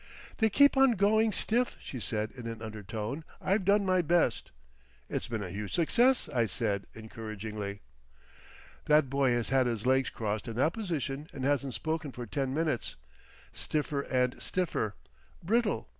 "They keep on going stiff," she said in an undertone.... "I've done my best." "It's been a huge success," I said encouragingly. "That boy has had his legs crossed in that position and hasn't spoken for ten minutes. Stiffer and stiffer. Brittle.